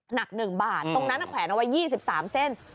หนัก๑บาทตรงนั้นแขวนเอาไว้๒๓เส้น